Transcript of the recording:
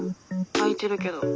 空いてるけど。